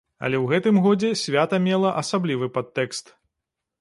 Але ў гэтым годзе свята мела асаблівы падтэкст.